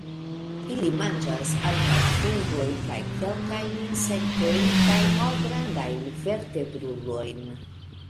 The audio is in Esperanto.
Ili manĝas ankaŭ fungojn, kaj kelkajn insektojn kaj malgrandajn vertebrulojn.